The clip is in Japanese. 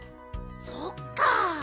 そっか。